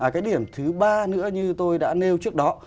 cái điểm thứ ba nữa như tôi đã nêu trước đó